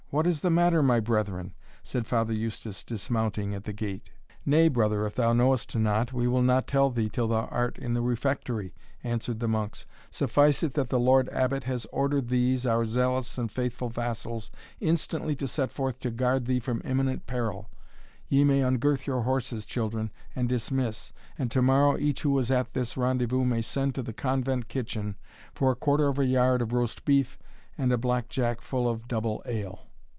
what is the matter, my brethren?" said Father Eustace, dismounting at the gate. "Nay, brother, if thou know'st not, we will not tell thee till thou art in the refectory," answered the monks; "suffice it that the Lord Abbot had ordered these, our zealous and faithful vassals, instantly to set forth to guard thee from imminent peril Ye may ungirth your horses, children, and dismiss; and to morrow, each who was at this rendezvous may send to the convent kitchen for a quarter of a yard of roast beef, and a black jack full of double ale."